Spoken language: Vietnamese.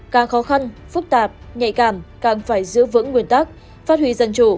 càng khó khăn phức tạp nhạy cảm càng phải giữ vững nguyên tắc phát huy dân chủ